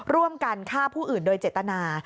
ร่วมกันฆ่าผู้อื่นโดยเจตนา